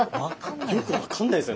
よく分かんないですよね